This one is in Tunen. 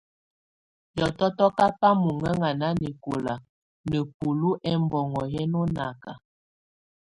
Hiɔtɔ́yɔ kába mønŋɛŋa nanɛkɔla nəbúlu ɛmbɔnŋo yɛnɔ náka.